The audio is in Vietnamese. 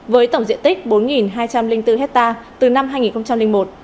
với tổng diện tích bốn hai trăm linh bốn hectare từ năm hai nghìn một